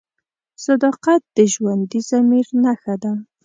صداقت د ژوندي ضمیر نښه ده.